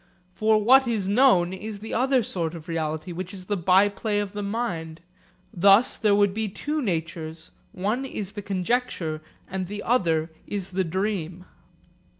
For what is known is the other sort of reality, which is the byplay of the mind. Thus there would be two natures, one is the conjecture and the other is the dream.